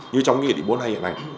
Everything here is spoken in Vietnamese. như trong nghị định bốn mươi hai hiện nay